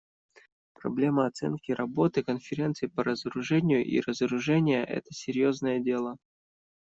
Проблема оценки работы Конференции по разоружению и разоружения − это серьезное дело.